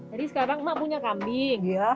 jadi sekarang emak punya kambing